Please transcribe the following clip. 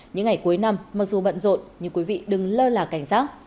những ngày cuối năm mặc dù bận rộn nhưng quý vị đừng lơ là cảnh giác